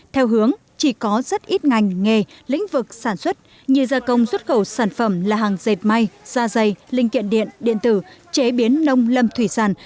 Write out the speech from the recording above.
theo hướng chỉ có rất ít ngành nghề lĩnh vực sản xuất như gia công xuất khẩu sản phẩm là hàng dệt may da dày linh kiện điện điện tử chế biến nông lâm thủy sản